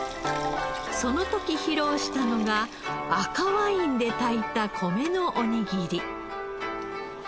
その時披露したのが赤ワインで炊いた米のおにぎり。